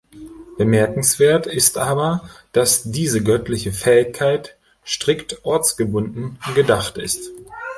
Bemerkenswert ist aber, dass diese göttliche Fähigkeit strikt ortsgebunden gedacht ist.